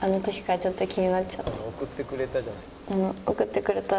「送ってくれたじゃない」。